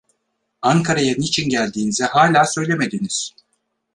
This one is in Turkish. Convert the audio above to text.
Ankara'ya niçin geldiğinizi hâlâ söylemediniz!